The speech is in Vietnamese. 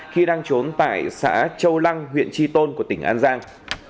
khi đang trốn tại xã châu lăng huyện tri tôn của tỉnh an giang